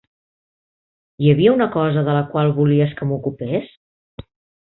Hi havia una cosa de la qual volies que m'ocupés?